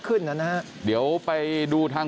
คุณภูริพัฒน์บุญนิน